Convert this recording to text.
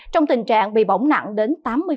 trong tình trạng bị bỏng nặng đến tám mươi